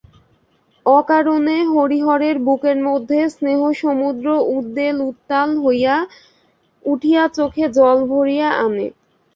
অকারণে হরিহরের বুকের মধ্যে স্নেহসমুদ্র উদ্বেল উত্তাল হইয়া উঠিয়া চোখে জল ভরিয়া আনে।